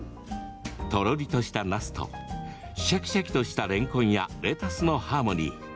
とろりとした、なすとシャキシャキとしたれんこんやレタスのハーモニー。